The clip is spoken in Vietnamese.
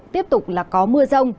tiếp tục là có mưa rông